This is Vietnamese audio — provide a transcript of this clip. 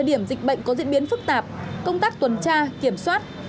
điểm dịch bệnh có diễn biến phức tạp công tác tuần tra kiểm soát